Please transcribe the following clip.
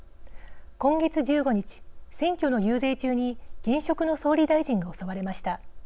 今月１５日選挙の遊説中に現職の総理大臣が襲われました。